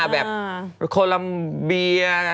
แบบโคลัมเบีย